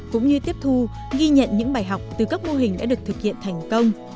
cũng như tiếp thu ghi nhận những bài học từ các mô hình đã được thực hiện thành công